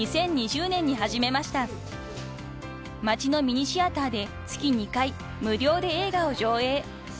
［町のミニシアターで月２回無料で映画を上映］